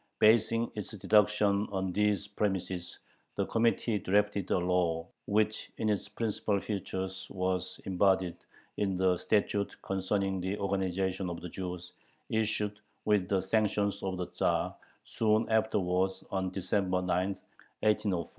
Basing its deductions on these premises, the Committee drafted a law which in its principal features was embodied in the "Statute Concerning the Organization of the Jews," issued, with the sanction of the Tzar, soon afterwards, on December 9, 1804. 2.